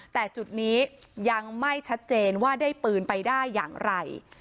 แต่จุดนี้ยังไม่ชัดเจนว่าได้ปืนไปได้อย่างไร